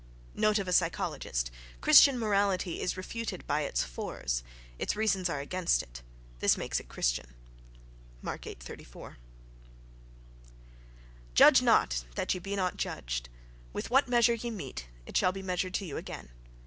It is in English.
(Note of a psychologist. Christian morality is refuted by its fors: its reasons are against it,—this makes it Christian.) Mark viii, 34.— "Judge not, that ye be not judged. With what measure ye mete, it shall be measured to you again."